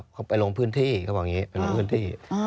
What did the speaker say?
เขาไปลงพื้นที่เขาบอกอย่างนี้